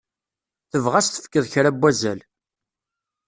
Tebɣa ad s-tefkeḍ kra n wazal.